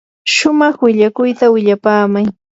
shumaq willakuyta willapaamay.